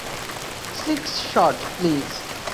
Six shot, please.